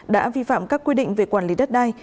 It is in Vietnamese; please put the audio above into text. đã vi phạm các quy định về quản lý đất đai